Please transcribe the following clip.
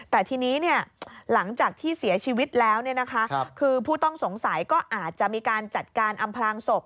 แต่ทีนี้หลังจากที่เสียชีวิตแล้วคือผู้ต้องสงสัยก็อาจจะมีการจัดการอำพลางศพ